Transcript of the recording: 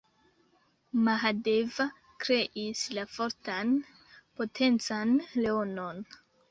Mahadeva kreis la fortan, potencan leonon.